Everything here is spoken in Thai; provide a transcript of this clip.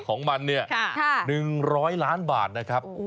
ของมันเนี่ย๑๐๐ล้านบาทนะครับ